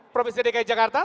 profesi dki jakarta